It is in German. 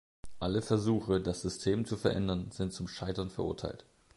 Alle Versuche, das System zu verändern, sind zum Scheitern verurteilt.